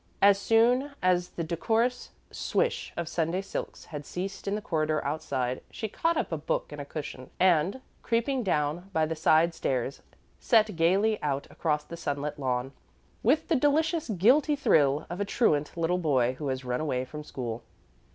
As soon as the decorous swish of Sunday silks had ceased in the corridor outside, she caught up a book and a cushion, and, creeping down by the side stairs, set gaily out across the sunlit lawn, with the deliciously guilty thrill of a truant little boy who has run away from school.